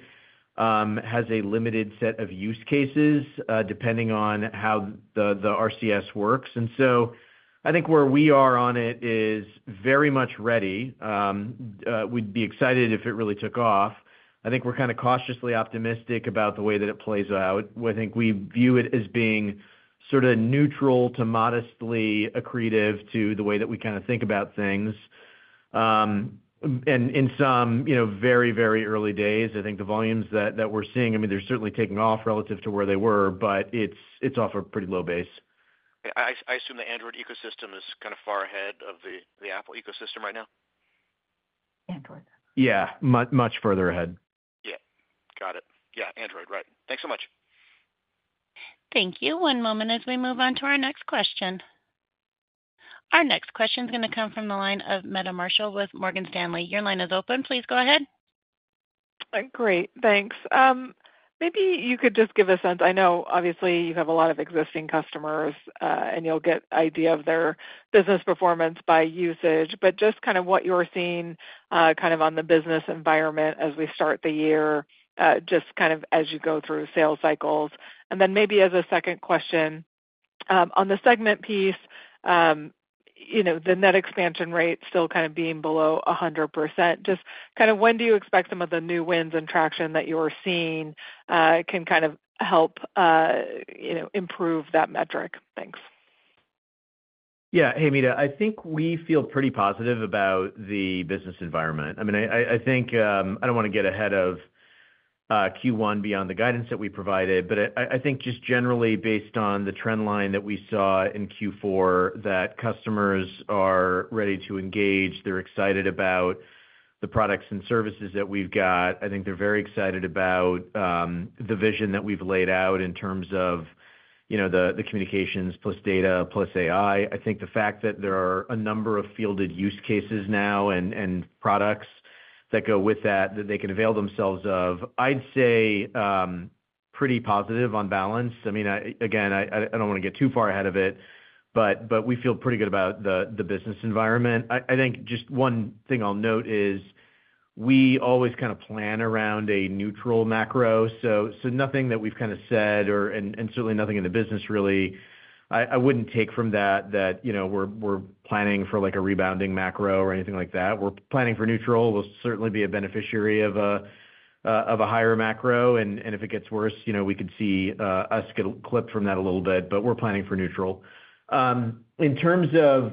has a limited set of use cases depending on how the RCS works. And so I think where we are on it is very much ready. We'd be excited if it really took off. I think we're kind of cautiously optimistic about the way that it plays out. I think we view it as being sort of neutral to modestly accretive to the way that we kind of think about things. And in some very, very early days, I think the volumes that we're seeing, I mean, they're certainly taking off relative to where they were, but it's off a pretty low base. I assume the Android ecosystem is kind of far ahead of the Apple ecosystem right now? Android. Yeah. Much further ahead. Yeah. Got it. Yeah. Android. Right. Thanks so much. Thank you. One moment as we move on to our next question. Our next question is going to come from the line of Meta Marshall with Morgan Stanley. Your line is open. Please go ahead. Great. Thanks. Maybe you could just give a sense. I know, obviously, you have a lot of existing customers, and you'll get an idea of their business performance by usage. But just kind of what you're seeing kind of on the business environment as we start the year, just kind of as you go through sales cycles. And then maybe as a second question, on the Segment piece, the net expansion rate still kind of being below 100%. Just kind of, when do you expect some of the new wins and traction that you're seeing can kind of help improve that metric? Thanks. Yeah. Hey, Meta. I think we feel pretty positive about the business environment. I mean, I think I don't want to get ahead of Q1 beyond the guidance that we provided, but I think just generally based on the trend line that we saw in Q4, that customers are ready to engage. They're excited about the products and services that we've got. I think they're very excited about the vision that we've laid out in terms of the communications plus data plus AI. I think the fact that there are a number of fielded use cases now and products that go with that that they can avail themselves of, I'd say pretty positive on balance. I mean, again, I don't want to get too far ahead of it, but we feel pretty good about the business environment. I think just one thing I'll note is we always kind of plan around a neutral macro. So nothing that we've kind of said, and certainly nothing in the business really, I wouldn't take from that that we're planning for a rebounding macro or anything like that. We're planning for neutral. We'll certainly be a beneficiary of a higher macro. And if it gets worse, we could see us get clipped from that a little bit. But we're planning for neutral. In terms of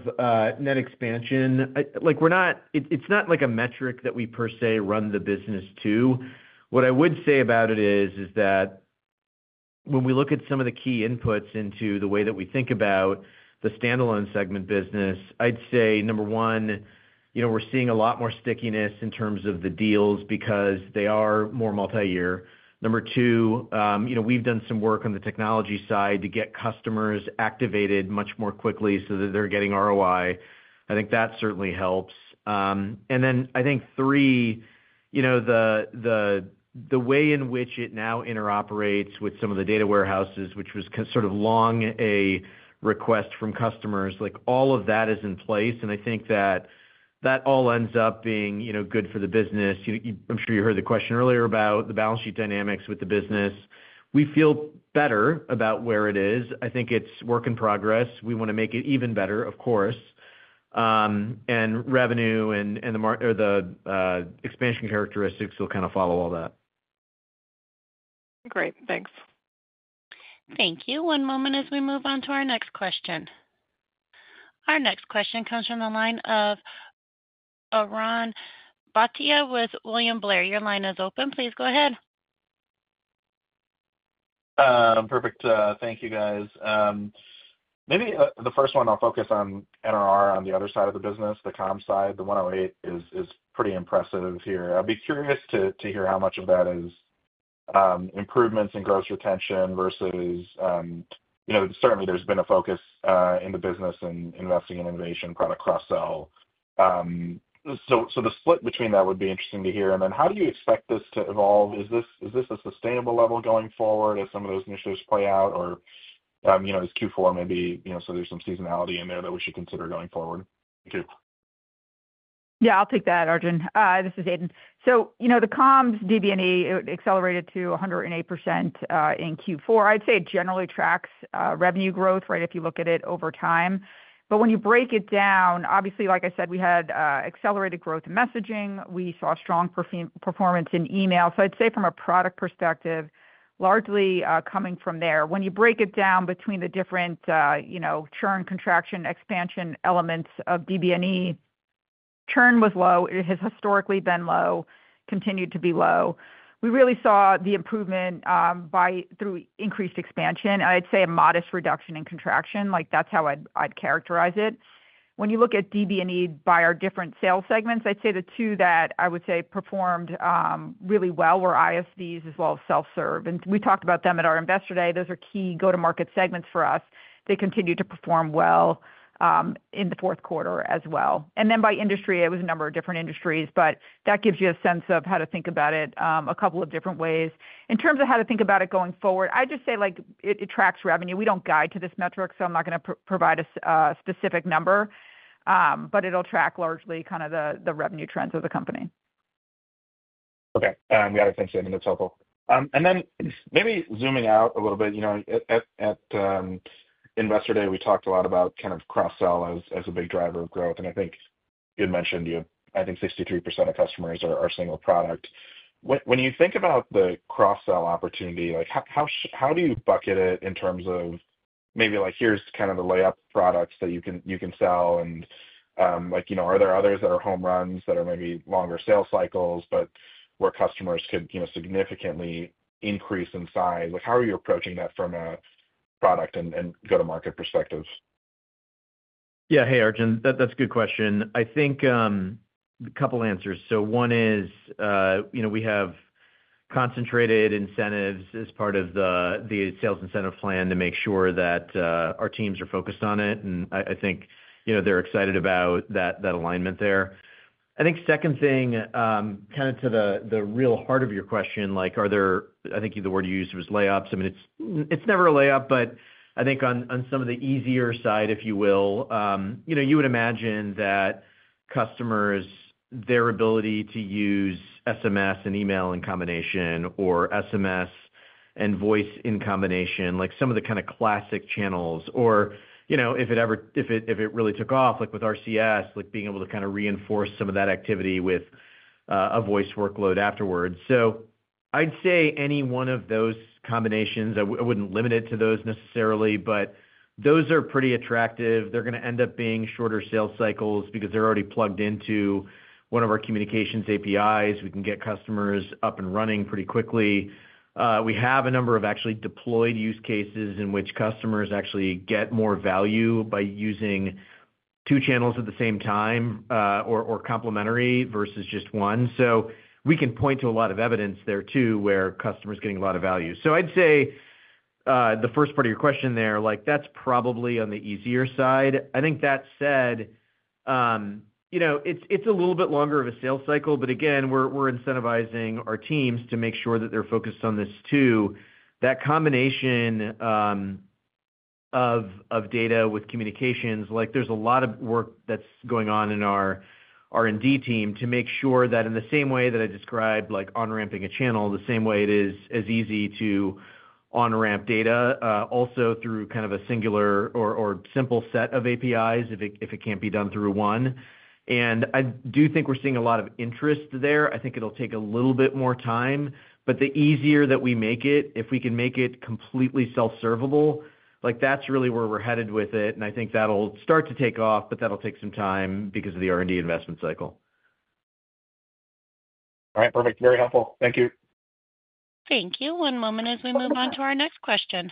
net expansion, it's not like a metric that we per se run the business to. What I would say about it is that when we look at some of the key inputs into the way that we think about the standalone Segment business, I'd say, number one, we're seeing a lot more stickiness in terms of the deals because they are more multi-year. Number two, we've done some work on the technology side to get customers activated much more quickly so that they're getting ROI. I think that certainly helps. And then I think, three, the way in which it now interoperates with some of the data warehouses, which was sort of long a request from customers, all of that is in place. And I think that that all ends up being good for the business. I'm sure you heard the question earlier about the balance sheet dynamics with the business. We feel better about where it is. I think it's work in progress. We want to make it even better, of course. And revenue and the expansion characteristics will kind of follow all that. Great. Thanks. Thank you. One moment as we move on to our next question. Our next question comes from the line of Arjun Bhatia with William Blair. Your line is open. Please go ahead. Perfect. Thank you, guys. Maybe the first one, I'll focus on NRR on the other side of the business, the comm side. The 108 is pretty impressive here. I'd be curious to hear how much of that is improvements in gross retention versus certainly there's been a focus in the business in investing in innovation, product cross-sell. So the split between that would be interesting to hear. And then how do you expect this to evolve? Is this a sustainable level going forward as some of those initiatives play out, or is Q4 maybe so there's some seasonality in there that we should consider going forward? Thank you. Yeah. I'll take that, Arjun. This is Aidan. So the comms DBNE accelerated to 108% in Q4. I'd say it generally tracks revenue growth, right, if you look at it over time. But when you break it down, obviously, like I said, we had accelerated growth in messaging. We saw strong performance in email. So I'd say from a product perspective, largely coming from there. When you break it down between the different churn, contraction, expansion elements of DBNE, churn was low. It has historically been low, continued to be low. We really saw the improvement through increased expansion. I'd say a modest reduction in contraction. That's how I'd characterize it. When you look at DBNE by our different sales Segments, I'd say the two that I would say performed really well were ISVs as well as self-serve. And we talked about them at our Investor Day. Those are key go-to-market Segments for us. They continued to perform well in the fourth quarter as well. And then by industry, it was a number of different industries, but that gives you a sense of how to think about it a couple of different ways. In terms of how to think about it going forward, I'd just say it tracks revenue. We don't guide to this metric, so I'm not going to provide a specific number, but it'll track largely kind of the revenue trends of the company. Okay. Yeah. I think that's helpful. And then, maybe zooming out a little bit, at Investor Day, we talked a lot about kind of cross-sell as a big driver of growth. And I think you had mentioned I think 63% of customers are a single product. When you think about the cross-sell opportunity, how do you bucket it in terms of maybe here's kind of the layup products that you can sell? And are there others that are home runs that are maybe longer sales cycles but where customers could significantly increase in size? How are you approaching that from a product and go-to-market perspective? Yeah. Hey, Arjun. That's a good question. I think a couple of answers. So one is we have concentrated incentives as part of the sales incentive plan to make sure that our teams are focused on it. And I think they're excited about that alignment there. I think second thing, kind of to the real heart of your question, I think the word you used was layups. I mean, it's never a layup, but I think on some of the easier side, if you will, you would imagine that customers, their ability to use SMS and email in combination or SMS and voice in combination, some of the kind of classic channels, or if it really took off with RCS, being able to kind of reinforce some of that activity with a voice workload afterwards. So I'd say any one of those combinations. I wouldn't limit it to those necessarily, but those are pretty attractive. They're going to end up being shorter sales cycles because they're already plugged into one of our communications APIs. We can get customers up and running pretty quickly. We have a number of actually deployed use cases in which customers actually get more value by using two channels at the same time or complementary versus just one. So we can point to a lot of evidence there too where customers are getting a lot of value. So I'd say the first part of your question there, that's probably on the easier side. I think that said, it's a little bit longer of a sales cycle, but again, we're incentivizing our teams to make sure that they're focused on this too. That combination of data with communications, there's a lot of work that's going on in our R&D team to make sure that in the same way that I described on-ramping a channel, the same way it is as easy to on-ramp data also through kind of a singular or simple set of APIs if it can't be done through one. And I do think we're seeing a lot of interest there. I think it'll take a little bit more time. But the easier that we make it, if we can make it completely self-servable, that's really where we're headed with it. And I think that'll start to take off, but that'll take some time because of the R&D investment cycle. All right. Perfect. Very helpful. Thank you. Thank you. One moment as we move on to our next question.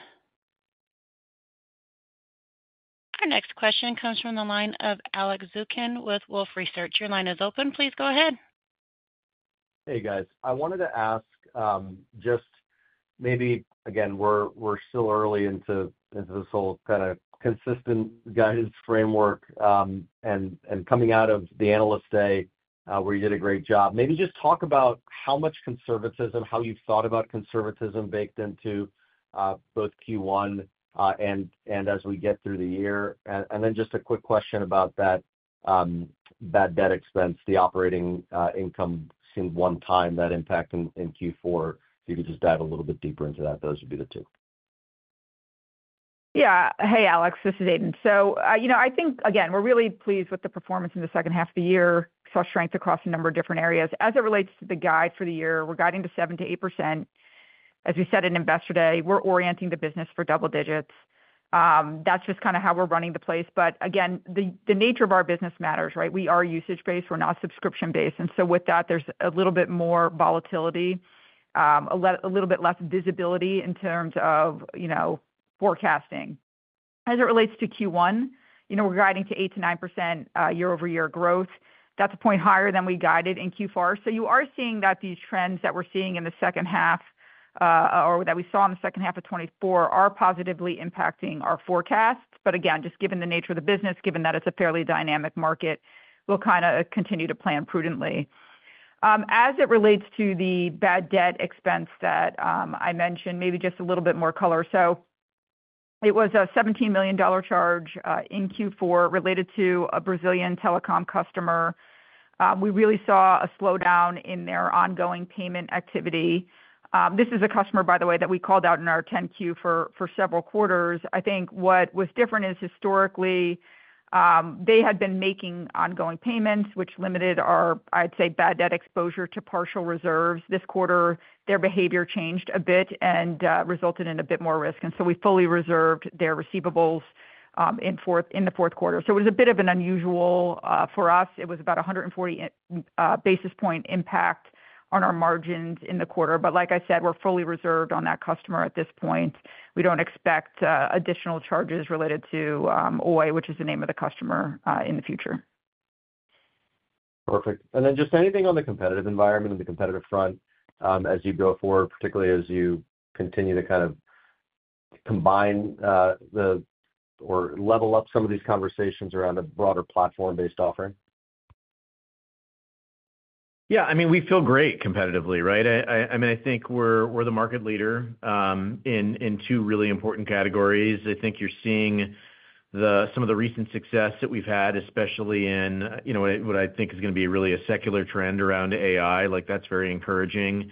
Our next question comes from the line of Alex Zukin with Wolfe Research. Your line is open. Please go ahead. Hey, guys. I wanted to ask just maybe, again, we're still early into this whole kind of consistent guidance framework and coming out of the Analyst Day where you did a great job. Maybe just talk about how much conservatism, how you've thought about conservatism baked into both Q1 and as we get through the year. And then just a quick question about that bad debt expense, the operating income seemed one time that impact in Q4. If you could just dive a little bit deeper into that, those would be the two. Yeah. Hey, Alex, this is Aidan. So I think, again, we're really pleased with the performance in the second half of the year. Saw strength across a number of different areas. As it relates to the guide for the year, we're guiding to 7% to 8%. As we said at Investor Day, we're orienting the business for double digits. That's just kind of how we're running the place. But again, the nature of our business matters, right? We are usage-based. We're not subscription-based. And so with that, there's a little bit more volatility, a little bit less visibility in terms of forecasting. As it relates to Q1, we're guiding to 8%-9% year-over-year growth. That's a point higher than we guided in Q4. So you are seeing that these trends that we're seeing in the second half or that we saw in the second half of 2024 are positively impacting our forecasts. But again, just given the nature of the business, given that it's a fairly dynamic market, we'll kind of continue to plan prudently. As it relates to the bad debt expense that I mentioned, maybe just a little bit more color. So it was a $17 million charge in Q4 related to a Brazilian telecom customer. We really saw a slowdown in their ongoing payment activity. This is a customer, by the way, that we called out in our 10-Q for several quarters. I think what was different is historically, they had been making ongoing payments, which limited our, I'd say, bad debt exposure to partial reserves. This quarter, their behavior changed a bit and resulted in a bit more risk. And so we fully reserved their receivables in the fourth quarter. So it was a bit of an unusual for us. It was about 140 basis point impact on our margins in the quarter. But like I said, we're fully reserved on that customer at this point. We don't expect additional charges related to Oi, which is the name of the customer, in the future. Perfect. And then just anything on the competitive environment and the competitive front as you go forward, particularly as you continue to kind of combine or level up some of these conversations around a broader platform-based offering? Yeah. I mean, we feel great competitively, right? I mean, I think we're the market leader in two really important categories. I think you're seeing some of the recent success that we've had, especially in what I think is going to be really a secular trend around AI. That's very encouraging.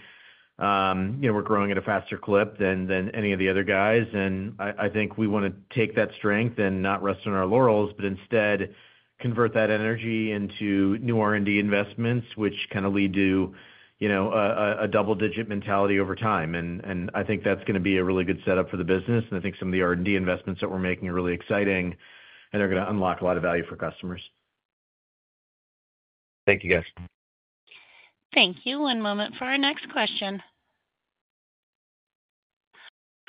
We're growing at a faster clip than any of the other guys. And I think we want to take that strength and not rest on our laurels, but instead convert that energy into new R&D investments, which kind of lead to a double-digit mentality over time. And I think that's going to be a really good setup for the business. And I think some of the R&D investments that we're making are really exciting, and they're going to unlock a lot of value for customers. Thank you, guys. Thank you. One moment for our next question.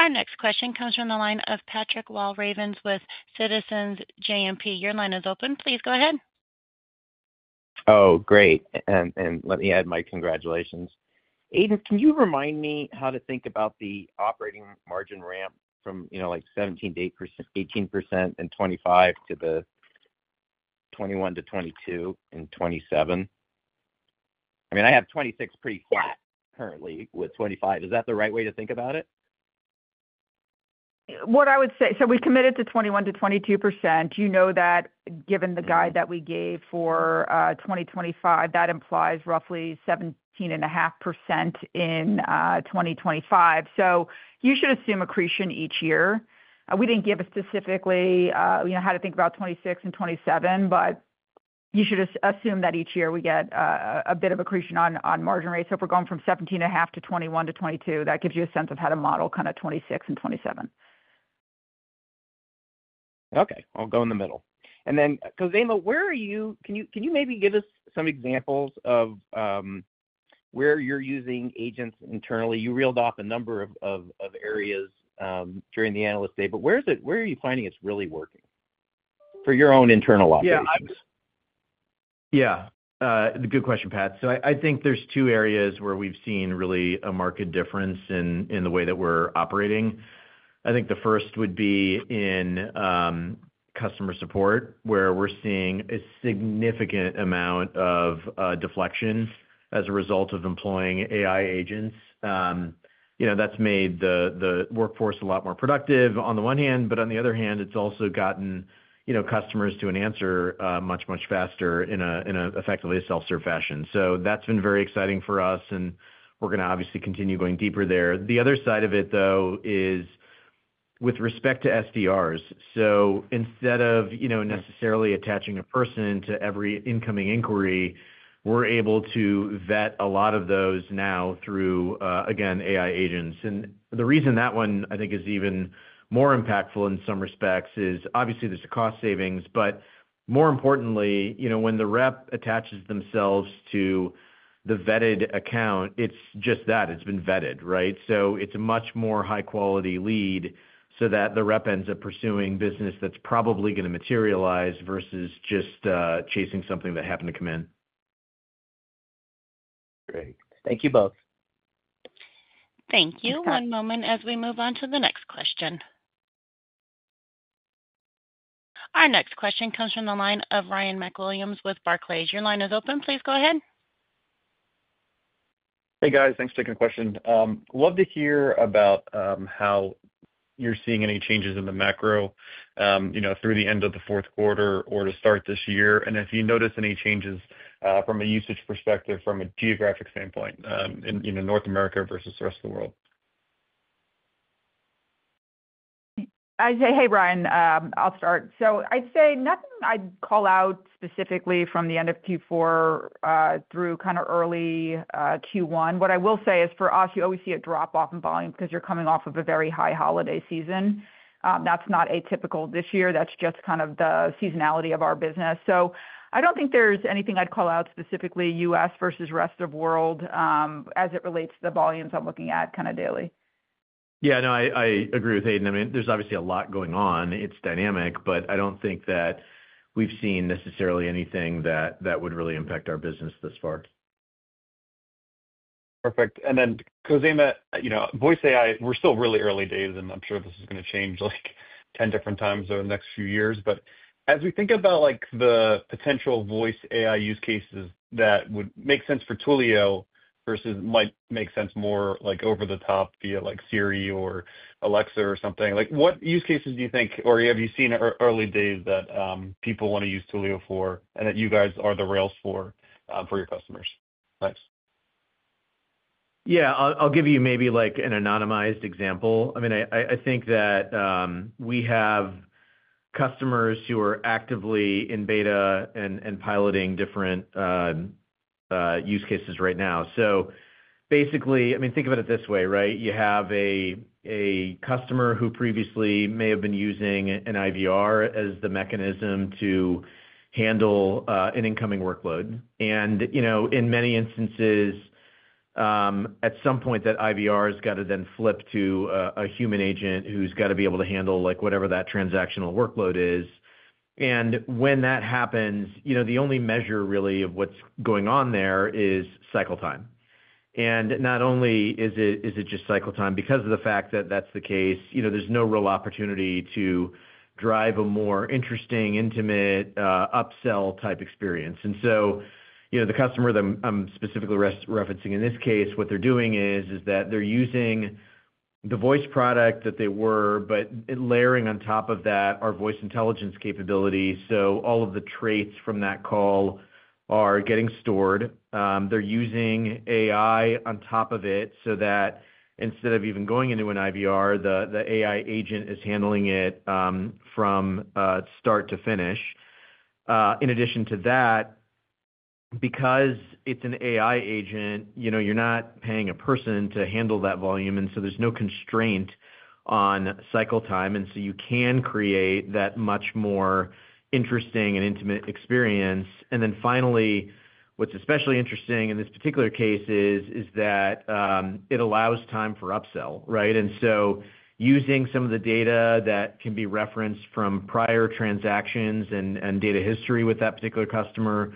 Our next question comes from the line of Patrick Walravens with Citizens JMP. Your line is open. Please go ahead. Oh, great. And let me add my congratulations. Aidan, can you remind me how to think about the operating margin ramp from 17% to 18% and 2025 to 21% to 22% and 2027? I mean, I have 2026 pretty flat currently with 2025. Is that the right way to think about it? What I would say, so we've committed to 21% to 22%. You know that given the guide that we gave for 2025, that implies roughly 17.5% in 2025. So you should assume accretion each year. We didn't give a specifically how to think about 2026 and 2027, but you should assume that each year we get a bit of accretion on margin rates. So if we're going from 17.5% to 21% to 22%, that gives you a sense of how to model kind of 2026 and 2027. Okay. I'll go in the middle. And then, Khozema, where are you? Can you maybe give us some examples of where you're using agents internally? You reeled off a number of areas during the Analyst Day, but where are you finding it's really working for your own internal operations? Yeah. Good question, Pat. So I think there's two areas where we've seen really a marked difference in the way that we're operating. I think the first would be in customer support, where we're seeing a significant amount of deflection as a result of employing AI agents. That's made the workforce a lot more productive on the one hand, but on the other hand, it's also gotten customers to an answer much, much faster in an effectively self-serve fashion. So that's been very exciting for us, and we're going to obviously continue going deeper there. The other side of it, though, is with respect to SDRs. So instead of necessarily attaching a person to every incoming inquiry, we're able to vet a lot of those now through, again, AI agents. And the reason that one, I think, is even more impactful in some respects is obviously there's a cost savings, but more importantly, when the rep attaches themselves to the vetted account, it's just that. It's been vetted, right? So it's a much more high-quality lead so that the rep ends up pursuing business that's probably going to materialize versus just chasing something that happened to come in. Great. Thank you both. Thank you. One moment as we move on to the next question. Our next question comes from the line of Ryan MacWilliams with Barclays. Your line is open. Please go ahead. Hey, guys. Thanks for taking the question. love to hear about how you're seeing any changes in the macro through the end of the fourth quarter or to start this year and if you notice any changes from a usage perspective, from a geographic standpoint in North America versus the rest of the world. I'd say, hey, Ryan, I'll start. So I'd say nothing I'd call out specifically from the end of Q4 through kind of early Q1. What I will say is for us, you always see a drop off in volume because you're coming off of a very high holiday season. That's not atypical this year. That's just kind of the seasonality of our business. So I don't think there's anything I'd call out specifically U.S. versus rest of world as it relates to the volumes I'm looking at kind of daily. Yeah. No, I agree with Aidan. I mean, there's obviously a lot going on. It's dynamic, but I don't think that we've seen necessarily anything that would really impact our business thus far. Perfect. And then, Khozema, Voice AI, we're still really early days, and I'm sure this is going to change 10 different times over the next few years. But as we think about the potential Voice AI use cases that would make sense for Twilio versus might make sense more over the top via Siri or Alexa or something, what use cases do you think, or have you seen early days that people want to use Twilio for and that you guys are the rails for for your customers? Thanks. Yeah. I'll give you maybe an anonymized example. I mean, I think that we have customers who are actively in beta and piloting different use cases right now. So basically, I mean, think of it this way, right? You have a customer who previously may have been using an IVR as the mechanism to handle an incoming workload. And in many instances, at some point, that IVR has got to then flip to a human agent who's got to be able to handle whatever that transactional workload is. And when that happens, the only measure really of what's going on there is cycle time. And not only is it just cycle time, because of the fact that that's the case, there's no real opportunity to drive a more interesting, intimate, upsell-type experience. And so the customer that I'm specifically referencing in this case, what they're doing is that they're using the Voice product that they were, but layering on top of that are Voice Intelligence capabilities. So all of the traits from that call are getting stored. They're using AI on top of it so that instead of even going into an IVR, the AI agent is handling it from start to finish. In addition to that, because it's an AI agent, you're not paying a person to handle that volume, and so there's no constraint on cycle time, and so you can create that much more interesting and intimate experience, and then finally, what's especially interesting in this particular case is that it allows time for upsell, right? And so using some of the data that can be referenced from prior transactions and data history with that particular customer,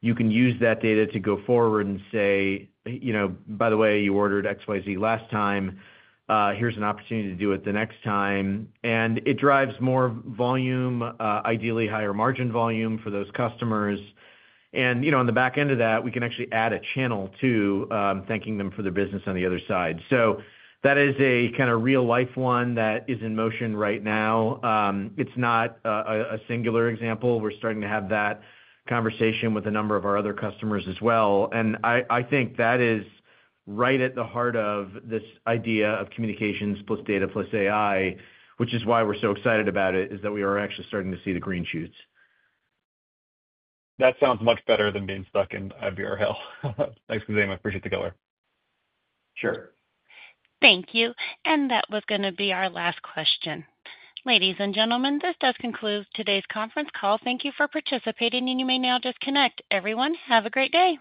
you can use that data to go forward and say, "By the way, you ordered XYZ last time. Here's an opportunity to do it the next time," and it drives more volume, ideally higher margin volume for those customers. And on the back end of that, we can actually add a channel to thanking them for their business on the other side. So that is a kind of real-life one that is in motion right now. It's not a singular example. We're starting to have that conversation with a number of our other customers as well. And I think that is right at the heart of this idea of communications plus data plus AI, which is why we're so excited about it, is that we are actually starting to see the green shoots. That sounds much better than being stuck in IVR hell. Thanks, Khozema. Appreciate the color. Sure. Thank you. And that was going to be our last question. Ladies and gentlemen, this does conclude today's conference call. Thank you for participating, and you may now disconnect. Everyone, have a great day.